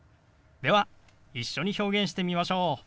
では一緒に表現してみましょう。